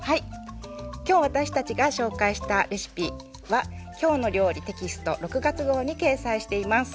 今日私たちが紹介したレシピは「きょうの料理」テキスト６月号に掲載しています。